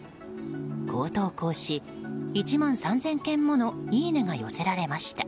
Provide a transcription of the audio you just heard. こう投稿し、１万３０００件ものいいねが寄せられました。